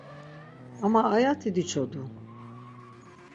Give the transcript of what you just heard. Ama ayati diçodu.